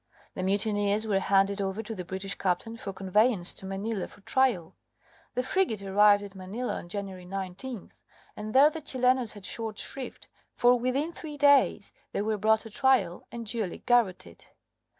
The mutineers were handed over to the British captain for conveyance to Manila for trial. The frigate arrived at Manila on January 19th, and there the Chilenos had short shrift, for within three days they were brought to trial and duly garrotted.